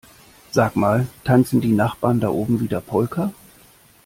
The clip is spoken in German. Sag mal tanzen die Nachbarn da oben wieder Polka?